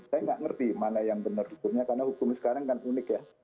saya nggak ngerti mana yang benar hukumnya karena hukum sekarang kan unik ya